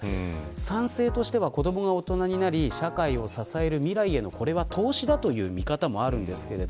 賛成としては、子どもが大人になり、社会を支える未来への投資という見方もあります。